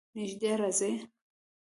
نژدې راځئ